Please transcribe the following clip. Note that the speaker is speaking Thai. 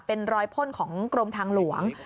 เป็นรอยพ่นของกรมทางหลวง